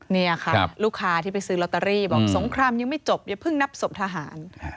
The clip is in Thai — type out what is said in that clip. นี่ค่ะลูกค้าที่ไปซื้อลอตเตอรี่บอกสงครามยังไม่จบอย่าเพิ่งนับศพทหาร